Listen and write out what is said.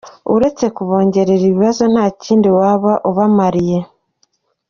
Uretse kubongerera ibibazo nta kindi waba ubamariye!